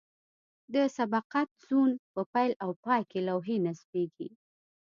د سبقت زون په پیل او پای کې لوحې نصبیږي